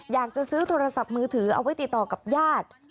อยากจะซื้อโทรศัพท์มือถือเอาไว้ติดต่อกับญาติ